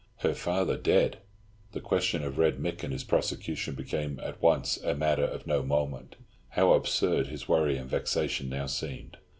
Her father dead! The question of Red Mick and his prosecution became at once a matter of no moment. How absurd his worry and vexation now seemed.